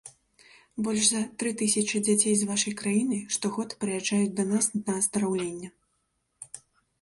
Больш за тры тысячы дзяцей з вашай краіны штогод прыязджаюць да нас на аздараўленне.